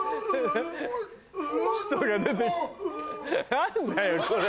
何だよこれ。